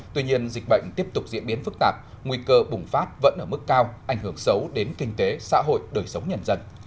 tuy nhiên dịch bệnh tiếp tục diễn biến phức tạp nguy cơ bùng phát vẫn ở mức cao ảnh hưởng xấu đến kinh tế xã hội đời sống nhân dân